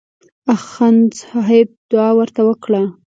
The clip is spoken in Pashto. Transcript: اخندصاحب دعا ورته وکړه.